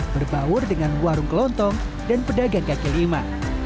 berbaur dengan warung kelontong dan pedagang kaki lima